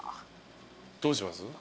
どうします？